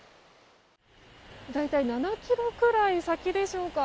大体７ｋｍくらい先でしょうか。